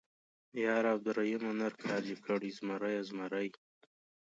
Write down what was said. _ياره عبدالرحيمه ، نر کار دې کړی، زمری يې، زمری.